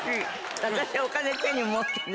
私お金手に持ってね。